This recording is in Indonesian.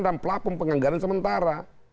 dan pelapung penganggaran sementara